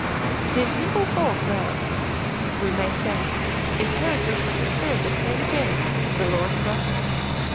These simple folk were, we may say, inheritors of the spirit of St James the Lord s brother.